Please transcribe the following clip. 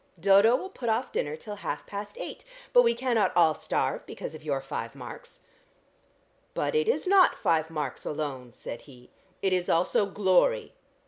Dodo will put off dinner till half past eight, but we cannot all starve because of your five marks." "But it is not five marks alone," said he. "It is also glory.